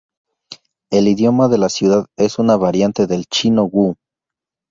El idioma de la ciudad es una variante del Chino wu.